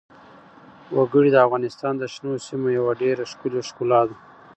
وګړي د افغانستان د شنو سیمو یوه ډېره ښکلې ښکلا ده.